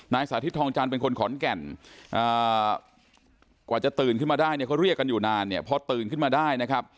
สาธิตทองจันทร์เป็นคนขอนแก่นกว่าจะตื่นขึ้นมาได้เนี่ยเขาเรียกกันอยู่นานเนี่ยพอตื่นขึ้นมาได้นะครับ